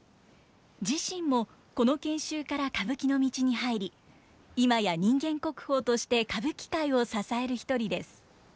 自身もこの研修から歌舞伎の道に入り今や人間国宝として歌舞伎界を支える一人です。